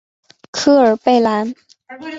科尔贝兰。